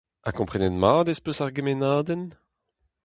Ha komprenet mat ez peus ar gemennadenn ?